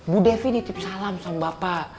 bu devi nitip salam sama bapak